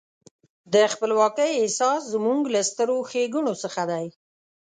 د خپلواکۍ احساس زموږ له سترو ښېګڼو څخه دی.